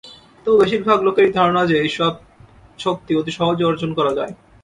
তবু বেশীরভাগ লোকেরই ধারণা যে, এইসব শক্তি অতি সহজেই অর্জন করা যায়।